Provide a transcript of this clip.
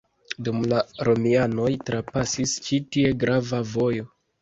Dum la romianoj trapasis ĉi tie grava vojo.